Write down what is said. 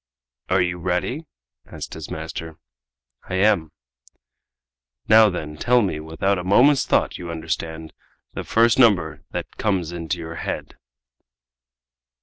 "Are you ready?" asked his master. "I am." "Now, then, tell me, without a moment's thought you understand the first number than comes into your head."